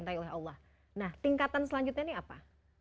nah tingkatan selanjutnya ini apa